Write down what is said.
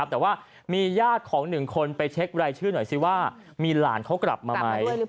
แต่ว่ามีญาติของ๑คนไปเช็ครายชื่อหน่อยสิว่ามีหลานเขากลับมาไหม